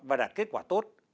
và đạt kết quả tốt